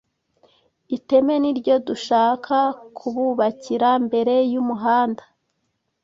Iteme niryo dushaka kububakira mbere y’umuhanda